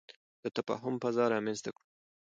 د تفاهم فضا رامنځته کړو.